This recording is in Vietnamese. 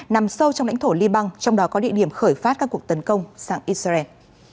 nằm sâu trong lãnh thổ liban trong đó có địa điểm khởi phát các cuộc tấn công sang israel